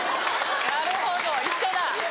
なるほど一緒だ。